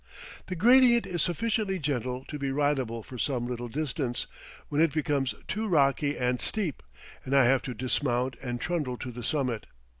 The gradient is sufficiently gentle to be ridable for some little distance, when it becomes too rocky and steep, and I have to dismount and trundle to the summit.